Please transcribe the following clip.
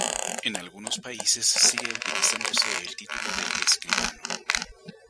En algunos países sigue utilizándose el título de Escribano.